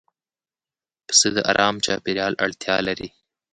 پسه د آرام چاپېریال اړتیا لري.